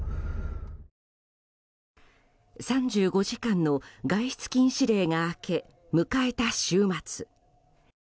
３５時間の外出禁止令が明け迎えた週末。